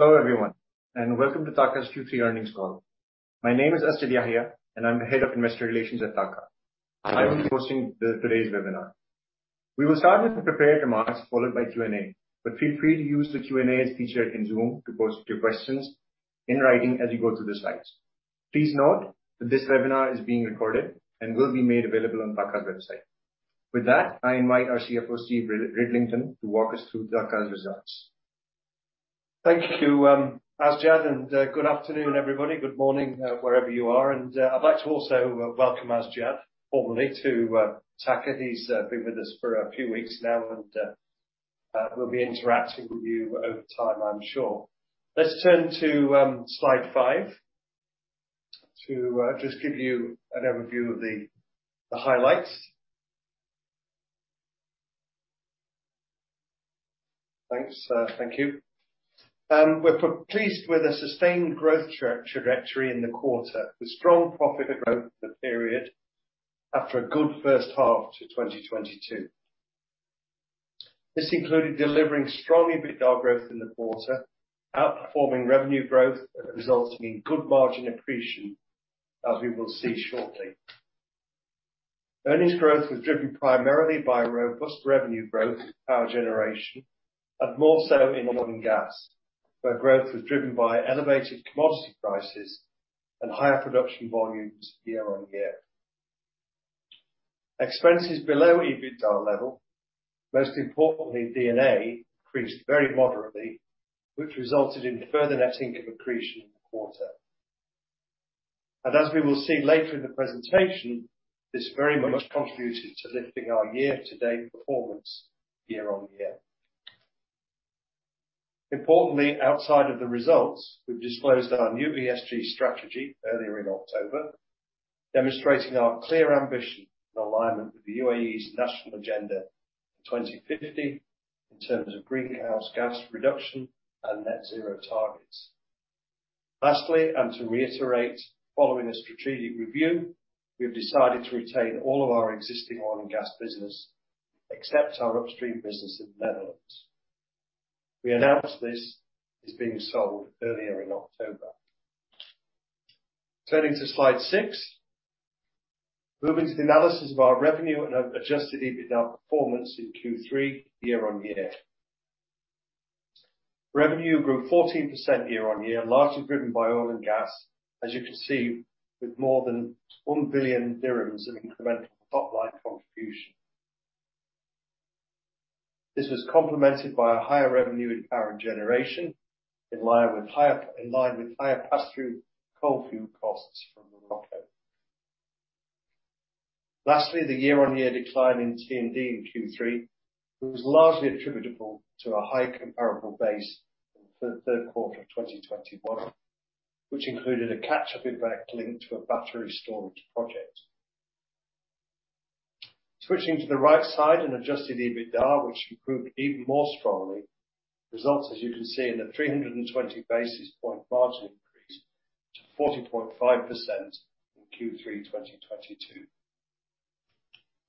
Hello, everyone, and welcome to TAQA's Q3 earnings call. My name is Asjad Yahya, and I'm the Head of Investor Relations at TAQA. I will be hosting today's webinar. We will start with the prepared remarks followed by Q&A, but feel free to use the Q&A feature in Zoom to post your questions in writing as you go through the slides. Please note that this webinar is being recorded and will be made available on TAQA's website. With that, I invite our CFO, Steve Ridlington, to walk us through TAQA's results. Thank you, Asjad, and good afternoon, everybody. Good morning, wherever you are. I'd like to also welcome Asjad formally to TAQA. He's been with us for a few weeks now, and we'll be interacting with you over time, I'm sure. Let's turn to slide five to just give you an overview of the highlights. Thanks. Thank you. We're pleased with the sustained growth trajectory in the quarter, with strong profit growth in the period after a good first half to 2022. This included delivering strong EBITDA growth in the quarter, outperforming revenue growth and resulting in good margin accretion, as we will see shortly. Earnings growth was driven primarily by robust revenue growth in power generation and more so in oil and gas, where growth was driven by elevated commodity prices and higher production volumes year-on-year. Expenses below EBITDA level, most importantly, D&A, increased very moderately, which resulted in further net income accretion in the quarter. As we will see later in the presentation, this very much contributed to lifting our year-to-date performance year-on-year. Importantly, outside of the results, we've disclosed our new ESG strategy earlier in October, demonstrating our clear ambition and alignment with the UAE's national agenda for 2050 in terms of greenhouse gas reduction and net zero targets. Lastly, and to reiterate, following a strategic review, we have decided to retain all of our existing oil and gas business, except our upstream business in the Netherlands. We announced this is being sold earlier in October. Turning to slide six. Moving to the analysis of our revenue and adjusted EBITDA performance in Q3 year-on-year. Revenue grew 14% year-on-year, largely driven by oil and gas. As you can see, with more than 1 billion dirhams of incremental top-line contribution. This was complemented by a higher revenue in power generation, in line with higher pass-through coal fuel costs from Morocco. Lastly, the year-on-year decline in T&D in Q3 was largely attributable to a high comparable base in the third quarter of 2021, which included a catch-up impact linked to a battery storage project. Switching to the right side and adjusted EBITDA, which improved even more strongly, as you can see, in a 320 basis point margin increase to 40.5% in Q3 2022.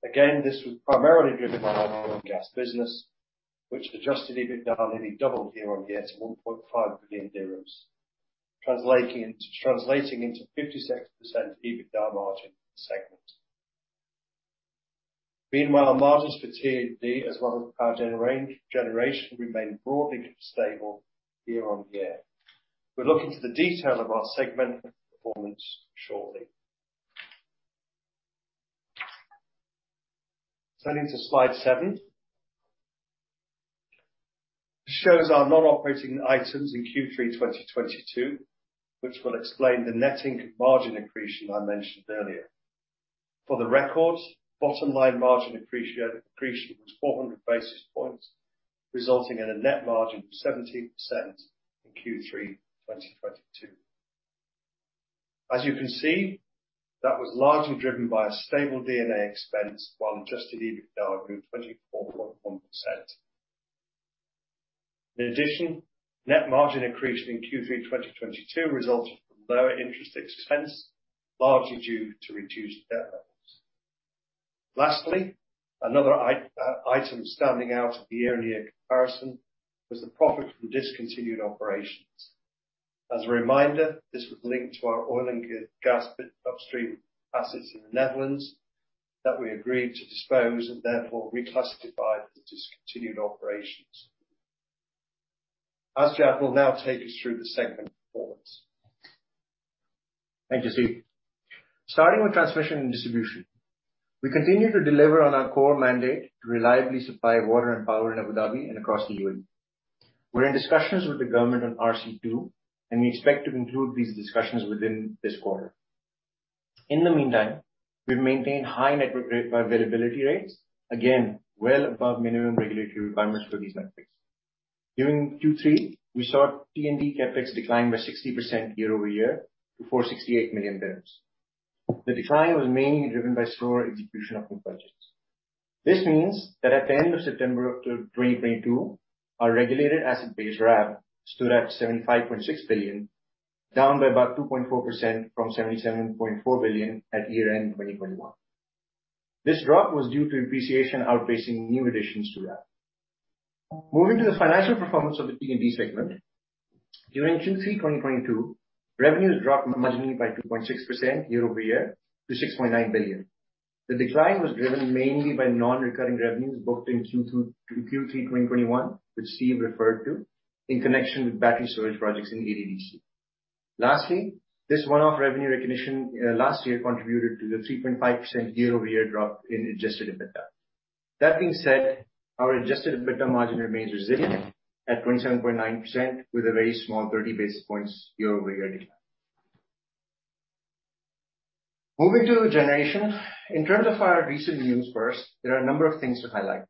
Again, this was primarily driven by our oil and gas business, which adjusted EBITDA nearly doubled year-on-year to 1.5 billion dirhams, translating into 56% EBITDA margin in the segment. Meanwhile, margins for T&D as well as power generation remained broadly stable year-on-year. We'll look into the detail of our segment performance shortly. Turning to slide seven. This shows our non-operating items in Q3 2022, which will explain the net income margin accretion I mentioned earlier. For the record, bottom line margin appreciation was 400 basis points, resulting in a net margin of 17% in Q3 2022. As you can see, that was largely driven by a stable D&A expense while adjusted EBITDA grew 24.1%. In addition, net margin increase in Q3 2022 resulted from lower interest expense, largely due to reduced debt levels. Lastly, another item standing out in the year-on-year comparison was the profit from discontinued operations. As a reminder, this was linked to our oil and gas upstream assets in the Netherlands that we agreed to dispose and therefore reclassified as discontinued operations. Asjad will now take us through the segment performance. Thank you, Steve. Starting with transmission and distribution. We continue to deliver on our core mandate to reliably supply water and power in Abu Dhabi and across the UAE. We're in discussions with the government on RC2, and we expect to conclude these discussions within this quarter. In the meantime, we've maintained high network availability rates, again, well above minimum regulatory requirements for these metrics. During Q3, we saw T&D CapEx decline by 60% year-over-year to 468 million dirhams. The decline was mainly driven by slower execution of new budgets. This means that at the end of September 2022, our regulated asset base, RAB, stood at 75.6 billion, down by about 2.4% from 77.4 billion at year-end 2021. This drop was due to depreciation outpacing new additions to that. Moving to the financial performance of the T&D segment. During Q3 2022, revenues dropped marginally by 2.6% year-over-year to 6.9 billion. The decline was driven mainly by non-recurring revenues booked in Q3 2021, which Steve referred to in connection with battery storage projects in ADDC. Lastly, this one-off revenue recognition last year contributed to the 3.5% year-over-year drop in adjusted EBITDA. That being said, our adjusted EBITDA margin remains resilient at 27.9% with a very small 30 basis points year-over-year decline. Moving to the generation. In terms of our recent news first, there are a number of things to highlight.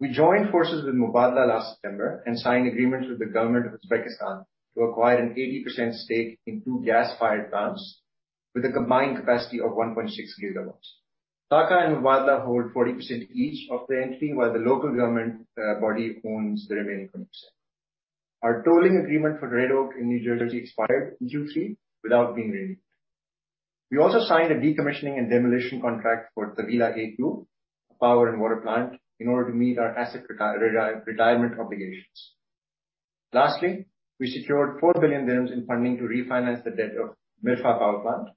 We joined forces with Mubadala last September and signed agreements with the government of Uzbekistan to acquire an 80% stake in two gas-fired plants with a combined capacity of 1.6 GW. TAQA and Mubadala hold 40% each of the entity while the local government body owns the remaining 10%. Our tolling agreement for Red Oak in New Jersey expired in Q3 without being renewed. We also signed a decommissioning and demolition contract for Taweelah A2, a power and water plant in order to meet our asset retirement obligations. Lastly, we secured 4 billion dirhams in funding to refinance the debt of Mirfa power plant.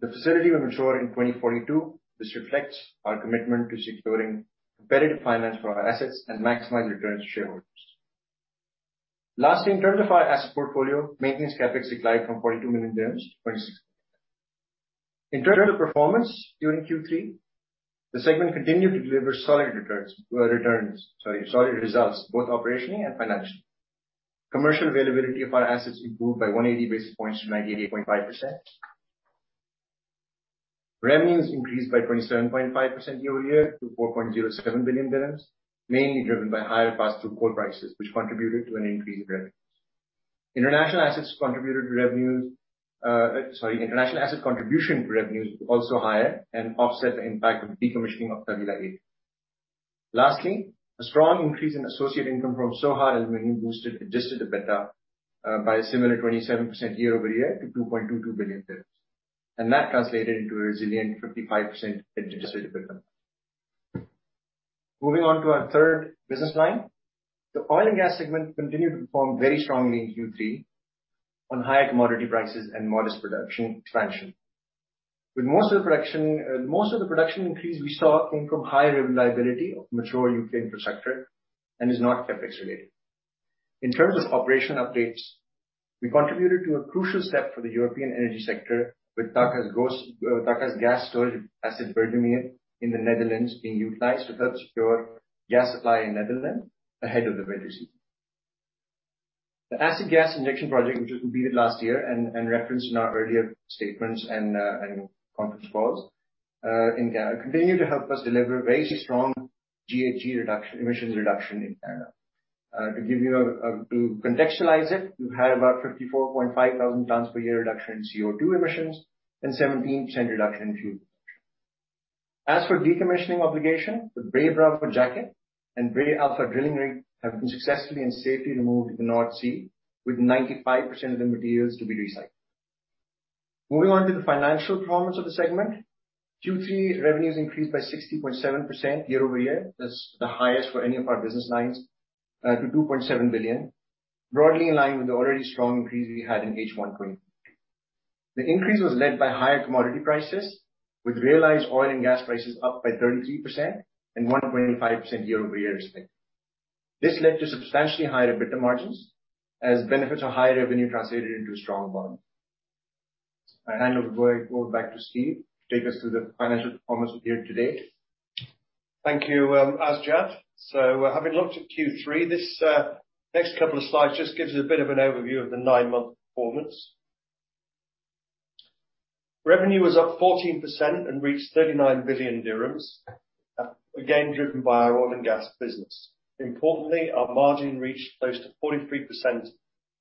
The facility will mature in 2042. This reflects our commitment to securing competitive finance for our assets and maximize returns to shareholders. Last, in terms of our asset portfolio, maintenance CapEx declined from 42 million-26 million dirhams. In terms of performance during Q3, the segment continued to deliver solid results both operationally and financially. Commercial availability of our assets improved by 180 basis points to 98.5%. Revenues increased by 27.5% year-over-year to 4.07 billion, mainly driven by higher pass-through coal prices, which contributed to an increase in revenues. International asset contribution to revenues were also higher and offset the impact of decommissioning of Taweelah A. Lastly, a strong increase in associate income from Sohar Aluminium boosted adjusted EBITDA by a similar 27% year-over-year to 2.22 billion. That translated into a resilient 55% adjusted EBITDA. Moving on to our third business line. The oil and gas segment continued to perform very strongly in Q3 on higher commodity prices and modest production expansion. With most of the production increase we saw came from higher reliability of mature U.K. infrastructure and is not CapEx related. In terms of operational updates, we contributed to a crucial step for the European energy sector with TAQA's gas storage asset, Bergermeer, in the Netherlands being utilized to help secure gas supply in the Netherlands ahead of the winter season. The acid gas injection project, which was completed last year and referenced in our earlier statements and conference calls in Canada, continue to help us deliver very strong GHG reduction, emissions reduction in Canada. To contextualize it, we've had about 54,500 tons per year reduction in CO2 emissions and 17% reduction in fuel. As for decommissioning obligation, the Brae Bravo jacket and Brae Alpha drilling rig have been successfully and safely removed in the North Sea with 95% of the materials to be recycled. Moving on to the financial performance of the segment. Q3 revenues increased by 60.7% year-over-year. That's the highest for any of our business lines to 2.7 billion, broadly in line with the already strong increase we had in H1 2022. The increase was led by higher commodity prices with realized oil and gas prices up by 33% and 1.5% year-over-year respectively. This led to substantially higher EBITDA margins as benefits of higher revenue translated into a strong bottom line. Go back to Steve to take us through the financial performance of the year to date. Thank you, Asjad. Having looked at Q3, this next couple of slides just gives you a bit of an overview of the nine-month performance. Revenue was up 14% and reached 39 billion dirhams, again, driven by our oil and gas business. Importantly, our margin reached close to 43%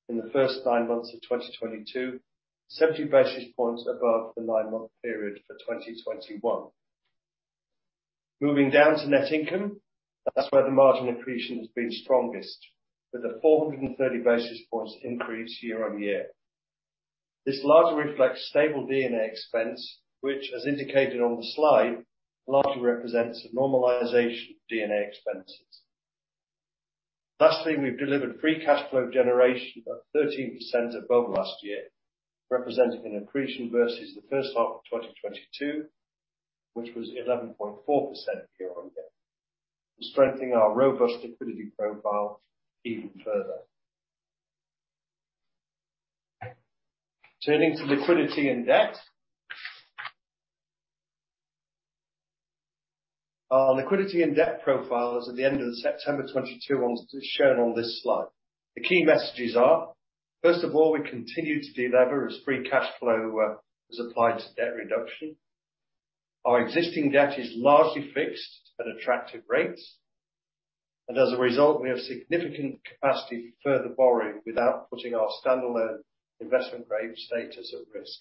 in the first nine months of 2022, 70 basis points above the nine-month period for 2021. Moving down to net income, that's where the margin accretion has been strongest with a 430 basis points increase year-on-year. This largely reflects stable D&A expense, which as indicated on the slide, largely represents a normalization of D&A expenses. Lastly, we've delivered free cash flow generation of 13% above last year, representing an accretion versus the first half of 2022, which was 11.4% year-on-year, strengthening our robust liquidity profile even further. Turning to liquidity and debt. Our liquidity and debt profile is at the end of September 2022 shown on this slide. The key messages are, first of all, we continue to delever as free cash flow is applied to debt reduction. Our existing debt is largely fixed at attractive rates. As a result, we have significant capacity for further borrowing without putting our standalone investment grade status at risk.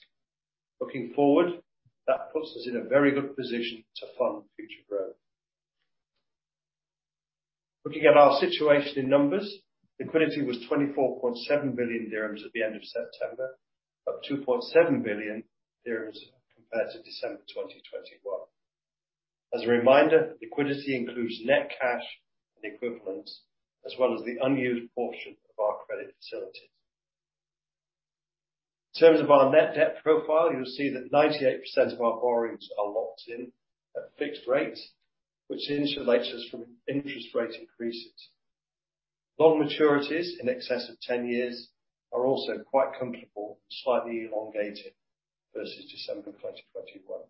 Looking forward, that puts us in a very good position. Looking at our situation in numbers, liquidity was 24.7 billion dirhams at the end of September, up 2.7 billion dirhams compared to December 2021. As a reminder, liquidity includes net cash and equivalents, as well as the unused portion of our credit facilities. In terms of our net debt profile, you'll see that 98% of our borrowings are locked in at fixed rates, which insulates us from interest rate increases. Long maturities in excess of 10 years are also quite comfortable, slightly elongated versus December 2021.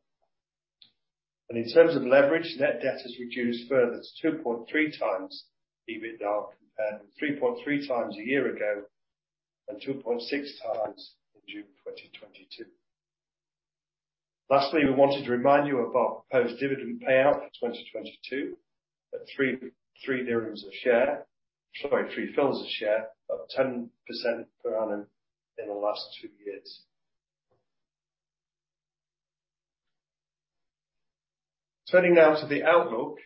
In terms of leverage, net debt has reduced further to 2.3 times EBITDA compared with 3.3 times a year ago and 2.6 times in June 2022. Lastly, we wanted to remind you of our proposed dividend payout for 2022 at 0.003 dirhams a share of 10% per annum in the last two years. Turning now to the outlook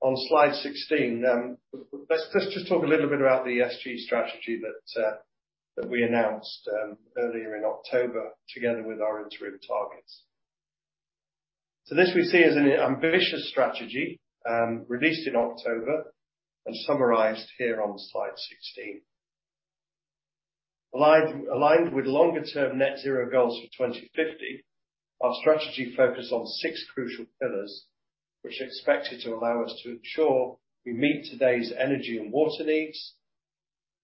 on slide 16. Let's just talk a little bit about the ESG strategy that we announced earlier in October together with our interim targets. This we see as an ambitious strategy, released in October and summarized here on slide 16. Aligned with longer-term net zero goals for 2050, our strategy focus on six crucial pillars, which are expected to allow us to ensure we meet today's energy and water needs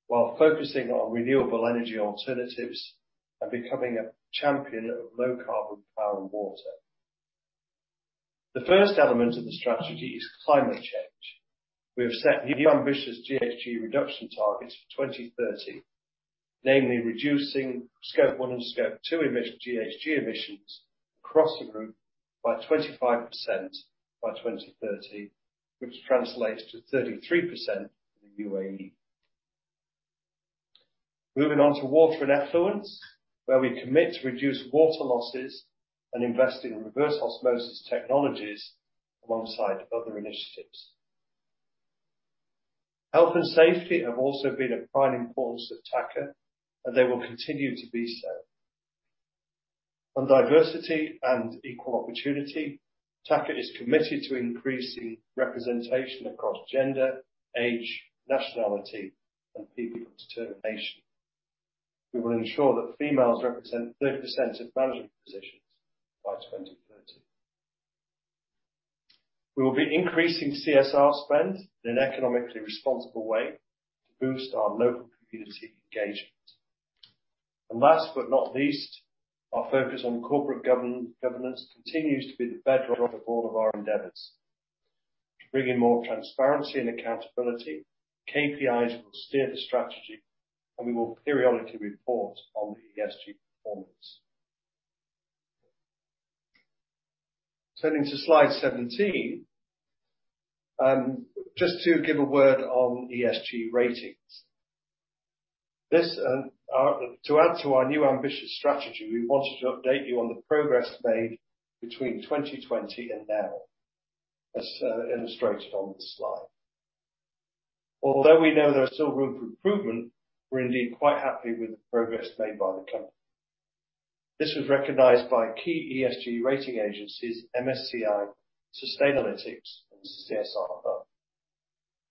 while focusing on renewable energy alternatives and becoming a champion of low carbon power and water. The first element of the strategy is climate change. We have set new ambitious GHG reduction targets for 2030, namely reducing scope one and scope two GHG emissions across the group by 25% by 2030, which translates to 33% in the UAE. Moving on to water and effluents, where we commit to reduce water losses and invest in reverse osmosis technologies alongside other initiatives. Health and safety have also been of prime importance at TAQA, and they will continue to be so. On diversity and equal opportunity, TAQA is committed to increasing representation across gender, age, nationality, and people of determination. We will ensure that females represent 30% of management positions by 2030. We will be increasing CSR spend in an economically responsible way to boost our local community engagement. Last but not least, our focus on corporate governance continues to be the bedrock of all of our endeavors. To bring in more transparency and accountability, KPIs will steer the strategy, and we will periodically report on ESG performance. Turning to slide 17, just to give a word on ESG ratings. To add to our new ambitious strategy, we wanted to update you on the progress made between 2020 and now, as illustrated on this slide. Although we know there is still room for improvement, we're indeed quite happy with the progress made by the company. This was recognized by key ESG rating agencies MSCI, Sustainalytics, and CSRHub.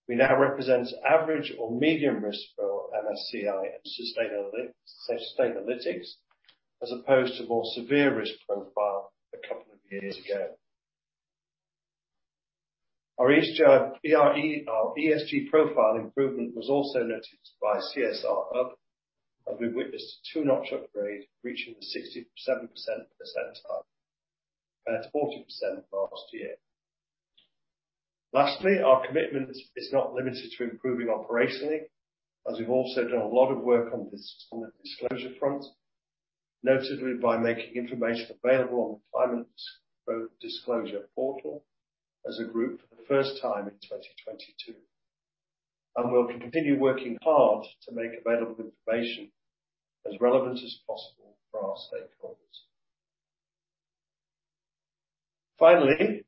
We now represent average or medium risk for MSCI and Sustainalytics, as opposed to more severe risk profile a couple of years ago. Our ESG profile improvement was also noticed by CSRHub, and we witnessed a two-notch upgrade reaching the 67% percentile compared to 40% last year. Lastly, our commitment is not limited to improving operationally, as we've also done a lot of work on the disclosure front, notably by making information available on the climate disclosure portal as a group for the first time in 2022. We'll continue working hard to make available information as relevant as possible for our stakeholders. Finally,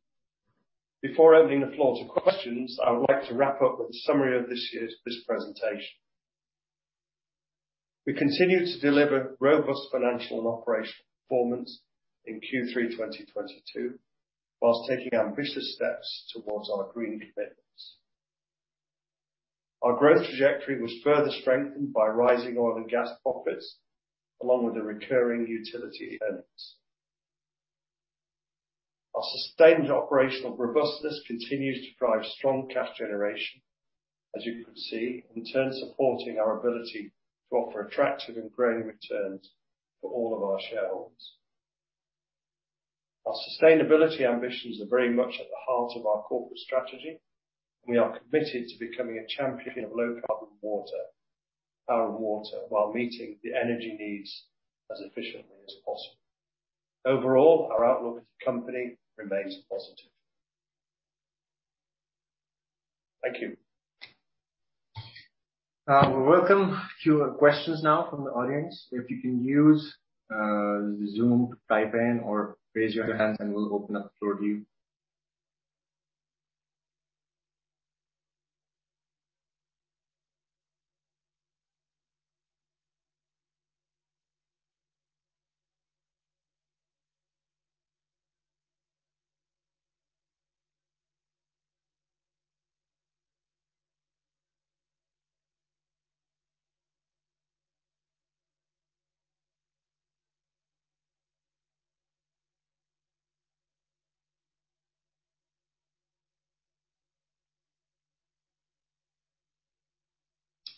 before opening the floor to questions, I would like to wrap up with a summary of this presentation. We continue to deliver robust financial and operational performance in Q3 2022 while taking ambitious steps towards our green commitments. Our growth trajectory was further strengthened by rising oil and gas profits along with the recurring utility earnings. Our sustained operational robustness continues to drive strong cash generation, as you can see, in turn supporting our ability to offer attractive and growing returns for all of our shareholders. Our sustainability ambitions are very much at the heart of our corporate strategy, and we are committed to becoming a champion of low carbon power and water while meeting the energy needs as efficiently as possible. Overall, our outlook as a company remains positive. Thank you. We welcome your questions now from the audience. If you can use Zoom to type in or raise your hands, and we'll open up the floor to you.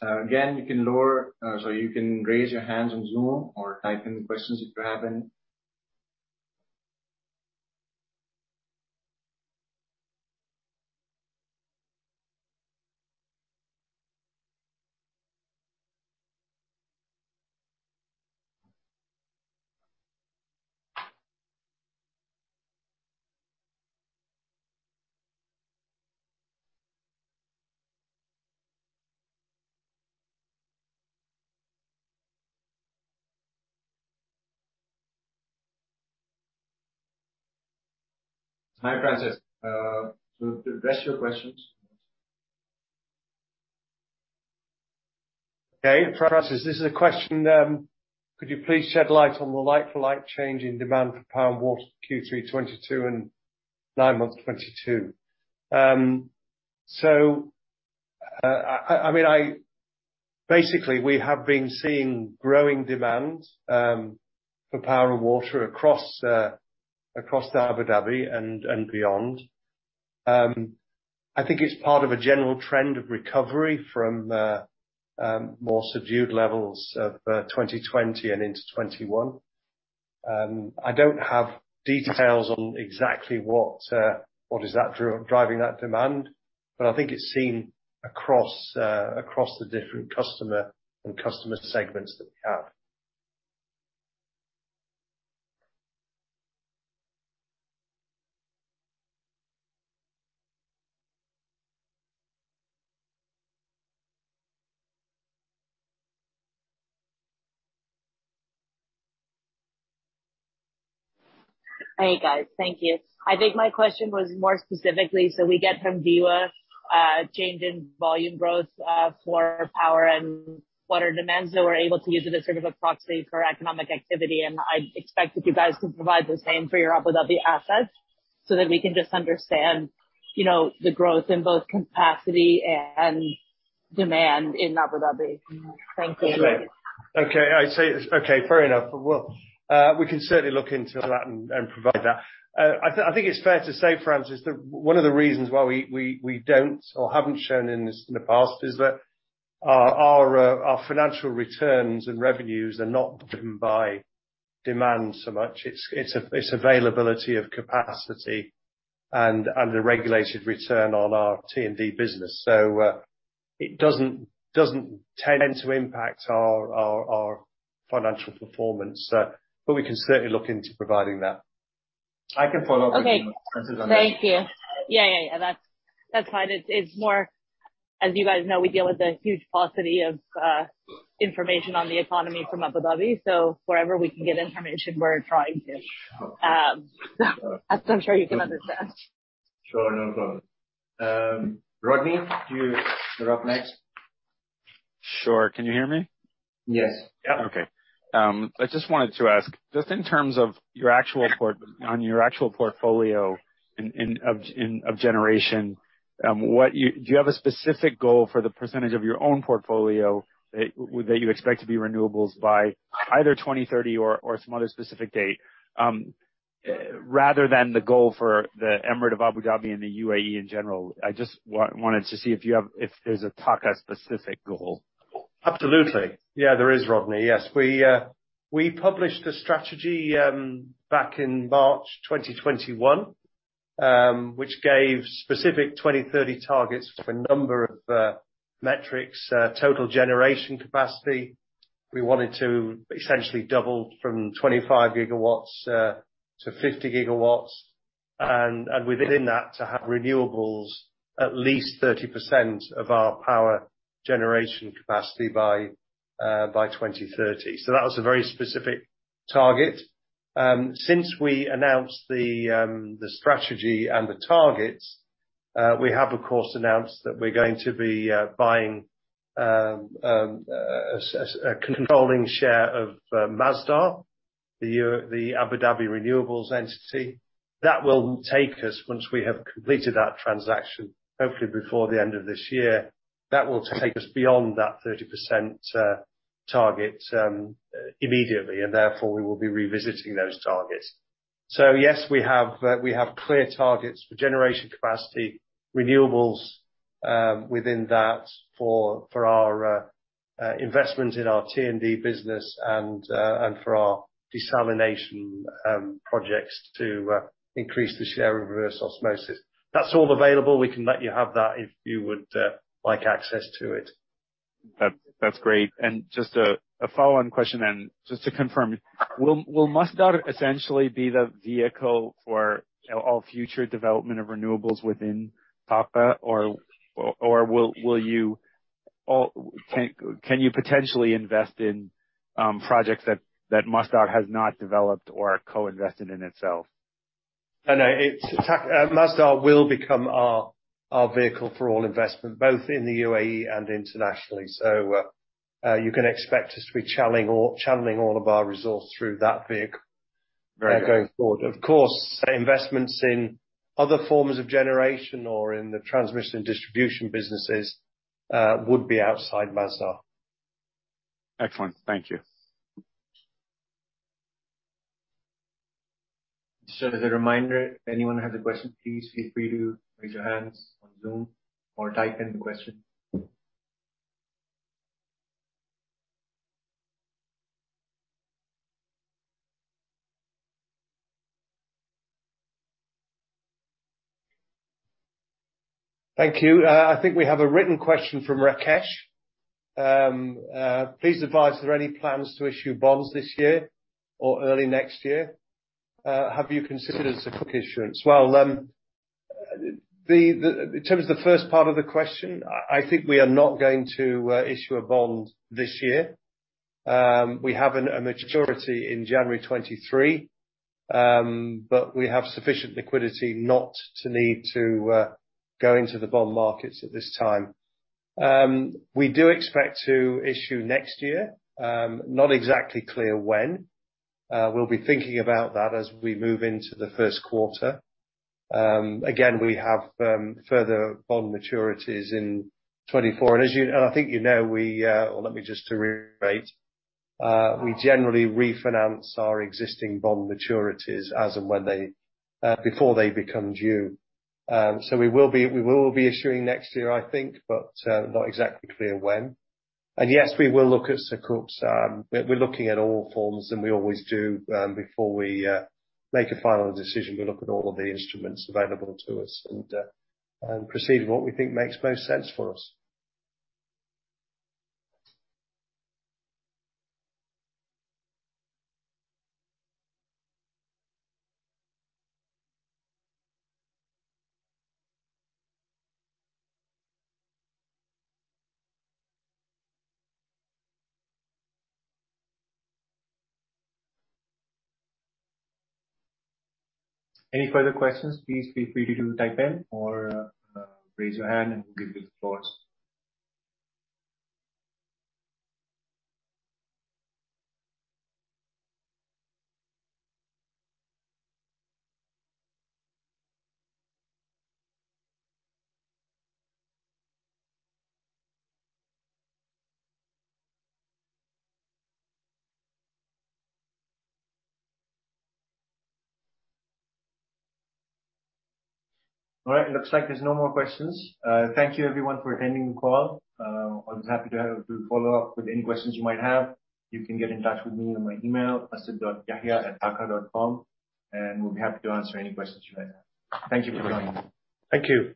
Again, you can raise your hands on Zoom or type in the questions if you have any. Hi, Francis. Did I miss your questions? Francis, this is a question. Could you please shed light on the like-for-like change in demand for power and water Q3 2022 and nine-month 2022? I mean, basically, we have been seeing growing demand for power and water across Abu Dhabi and beyond. I think it's part of a general trend of recovery from more subdued levels of 2020 and into 2021. I don't have details on exactly what is driving that demand, but I think it's seen across the different customer segments that we have. Hey, guys. Thank you. I think my question was more specifically, we get from DEWA, change in volume growth, for power and water demands that we're able to use as sort of a proxy for economic activity. I expect that you guys can provide the same for your Abu Dhabi assets so that we can just understand, you know, the growth in both capacity and demand in Abu Dhabi. Thank you. Okay. I see. Okay, fair enough. Well, we can certainly look into that and provide that. I think it's fair to say, Francis, that one of the reasons why we don't or haven't shown in this in the past is that our financial returns and revenues are not driven by demand so much. It's availability of capacity and under a regulated return on our T&D business. It doesn't tend to impact our financial performance. But we can certainly look into providing that. I can follow up with you, Francis, on that. Okay. Thank you. Yeah. That's fine. It's more. As you guys know, we deal with a huge paucity of information on the economy from Abu Dhabi, so wherever we can get information, we're trying to. As I'm sure you can understand. Sure. No problem. Rodney, you are up next. Sure. Can you hear me? Yes. Yeah. Okay. I just wanted to ask, just in terms of your actual portfolio in generation, do you have a specific goal for the percentage of your own portfolio that you expect to be renewables by either 2030 or some other specific date, rather than the goal for the Emirate of Abu Dhabi and the UAE in general? I just wanted to see if there's a TAQA specific goal. Absolutely. Yeah, there is, Rodney. Yes. We published a strategy back in March 2021, which gave specific 2030 targets for a number of metrics, total generation capacity. We wanted to essentially double from 25 GW-50 GW. Within that, to have renewables at least 30% of our power generation capacity by 2030. That was a very specific target. Since we announced the strategy and the targets, we have, of course, announced that we're going to be buying a controlling share of Masdar, the Abu Dhabi renewables entity. That will take us once we have completed that transaction, hopefully before the end of this year. That will take us beyond that 30% target immediately, and therefore we will be revisiting those targets. Yes, we have clear targets for generation capacity, renewables within that for our investment in our T&D business and for our desalination projects to increase the share of reverse osmosis. That's all available. We can let you have that if you would like access to it. That's great. Just a follow-on question and just to confirm, will Masdar essentially be the vehicle for all future development of renewables within TAQA? Can you potentially invest in projects that Masdar has not developed or co-invested in itself? No, no, Masdar will become our vehicle for all investment, both in the UAE and internationally. You can expect us to be channeling all of our resources through that vehicle. Very good. Going forward. Of course, investments in other forms of generation or in the transmission and distribution businesses would be outside Masdar. Excellent. Thank you. Just as a reminder, if anyone has a question, please feel free to raise your hands on Zoom or type in the question. Thank you. I think we have a written question from Rakesh. Please advise, are there any plans to issue bonds this year or early next year? Have you considered a sukuk issuance? Well, in terms of the first part of the question, I think we are not going to issue a bond this year. We have a maturity in January 2023, but we have sufficient liquidity not to need to go into the bond markets at this time. We do expect to issue next year, not exactly clear when. We'll be thinking about that as we move into the first quarter. Again, we have further bond maturities in 2024. I think you know, or let me just to reiterate, we generally refinance our existing bond maturities as and when they before they become due. So we will be issuing next year, I think, but not exactly clear when. Yes, we will look at sukuk. We're looking at all forms, and we always do before we make a final decision. We look at all of the instruments available to us and proceed with what we think makes most sense for us. Any further questions, please feel free to type in or raise your hand and we'll give you the floor. All right. Looks like there's no more questions. Thank you everyone for attending the call. Always happy to do a follow-up with any questions you might have. You can get in touch with me on my email, asjad.yahya@taqa.com, and we'll be happy to answer any questions you might have. Thank you for joining. Thank you.